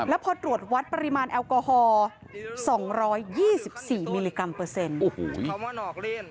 แล้วพอตรวจวัดปริมาณแอลกอฮอล์๒๒๔มิลลิกรัมเปอร์เซ็นต์โอ้โห